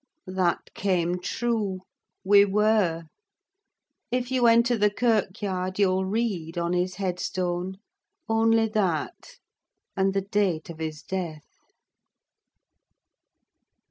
That came true: we were. If you enter the kirkyard, you'll read, on his headstone, only that, and the date of his death.